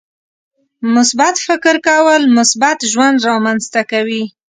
• مثبت فکر کول، مثبت ژوند رامنځته کوي.